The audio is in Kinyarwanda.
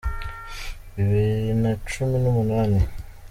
bibiri na cumi n’umunani